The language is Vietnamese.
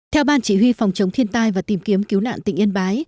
theo ban chỉ huy phòng chống thiên tai và tìm kiếm cứu nạn tỉnh yên bái